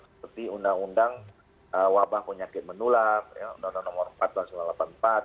seperti undang undang wabah penyakit menulak undang undang nomor empat pasal nomor delapan puluh empat